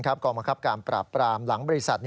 กองบังคับการปราบปรามหลังบริษัท